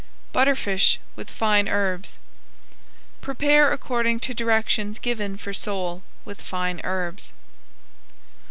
BUTTERFISH WITH FINE HERBS Prepare according to directions given for Sole with Fine Herbs.